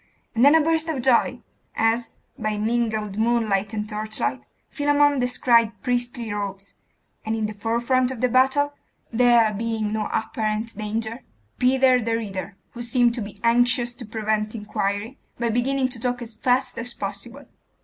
and then a burst of joy, as, by mingled moonlight and torchlight, Philammon descried priestly robes, and in the forefront of the battle there being no apparent danger Peter the Reader, who seemed to be anxious to prevent inquiry, by beginning to talk as fast as possible.